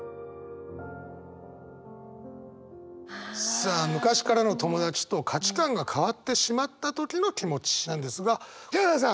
さあ昔からの友達と価値観が変わってしまった時の気持ちなんですがヒャダさん！